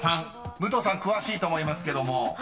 ［武藤さん詳しいと思いますけども］